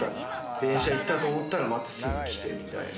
電車行ったと思ったらまたすぐ来てみたいな。